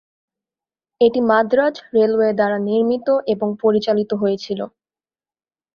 এটি মাদ্রাজ রেলওয়ে দ্বারা নির্মিত এবং পরিচালিত হয়েছিল।